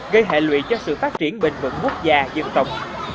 gây hệ lụy cho sự phát triển bình vận quốc gia dân tộc